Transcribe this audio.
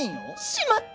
しまった！